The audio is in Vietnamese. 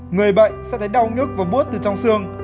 người bệnh sẽ thấy đau nước và bút từ trong xương